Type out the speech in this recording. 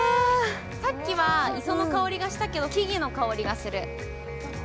さっきは磯の香りがしたけど木々の香りがする。